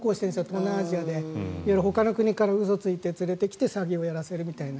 東南アジアでほかの国から嘘ついて連れてきて詐欺をやらせるみたいな。